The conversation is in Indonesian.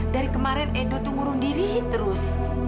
dari kemarin endo tuh ngurung diri terus